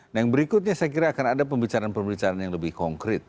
nah yang berikutnya saya kira akan ada pembicaraan pembicaraan yang lebih konkret